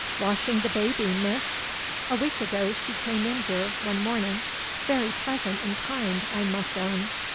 "Washing the baby, miss. A week ago, she came in here, one morning; very pleasant and kind, I must own.